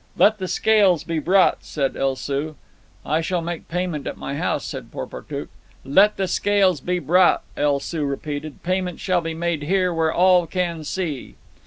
"Let the scales be brought," said El Soo. "I shall make payment at my house," said Porportuk. "Let the scales be brought," El Soo repeated. "Payment shall be made here where all can see."